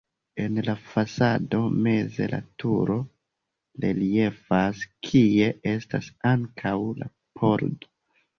En la fasado meze la turo reliefas, kie estas ankaŭ la pordo.